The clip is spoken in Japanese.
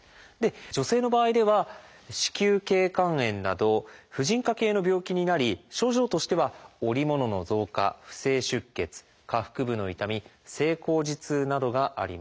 女性の場合では「子宮頸管炎」など婦人科系の病気になり症状としてはおりものの増加不正出血下腹部の痛み性交時痛などがあります。